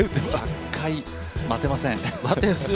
１００回待てません。